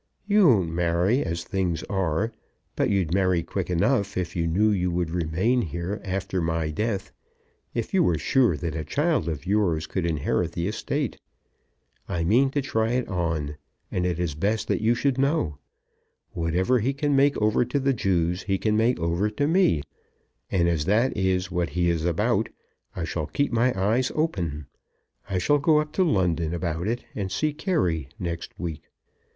You won't marry, as things are; but you'd marry quick enough if you knew you would remain here after my death; if you were sure that a child of yours could inherit the estate. I mean to try it on, and it is best that you should know. Whatever he can make over to the Jews he can make over to me; and as that is what he is about, I shall keep my eyes open. I shall go up to London about it and see Carey next week.